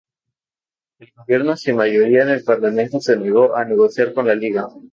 El gobierno, sin mayoría en el parlamento, se negó a negociar con la Liga.